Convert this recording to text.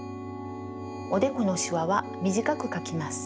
おでこのしわはみじかくかきます。